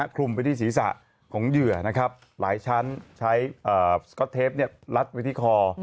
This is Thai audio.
คลุมไปที่ศีรษะของเหยื่อนะครับหลายชั้นใช้สก๊อตเทปลัดไว้ที่คอ